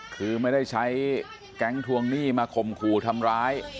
คือไม่ได้ใช้แก๊งทวงหนี้มาข่มขู่ทำร้าย